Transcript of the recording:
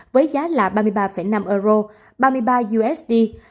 với giá là ba mươi ba năm euro ba mươi ba usd